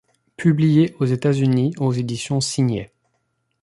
Publiés aux États-Unis aux éditions Signet.